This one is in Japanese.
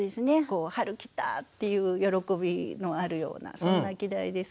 「春来た！」っていう喜びのあるようなそんな季題です。